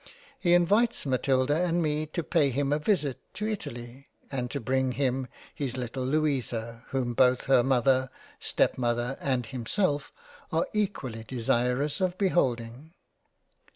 He invites Matilda and me to pay him a visit to Italy and to bring him his little Louisa whom both her Mother, Step mother, and himself are equally desirous of beholding.